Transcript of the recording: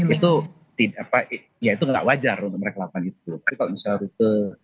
itu tidak wajar untuk mereka lakukan itu